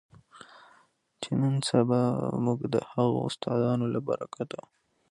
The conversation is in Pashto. چې نن سبا مونږ د هغو استادانو له برکته